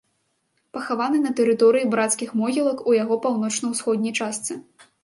Пахаваны на тэрыторыі брацкіх могілак, у яго паўночна-ўсходняй частцы.